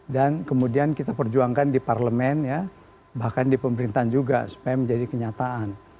dan kemudian kita perjuangkan di parlemen ya bahkan di pemerintahan juga supaya menjadi kenyataan